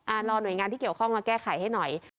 รอหน่วยงานที่เกี่ยวข้องมาแก้ไขให้หน่อย